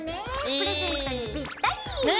プレゼントにぴったり。ね！